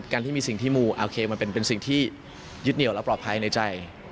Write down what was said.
การที่มีสิ่งที่มูโอเคมันเป็นสิ่งที่ยึดเหนียวและปลอดภัยในใจ